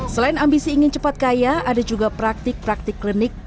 selain ambisi ingin cepat kaya ada juga praktik praktik klinik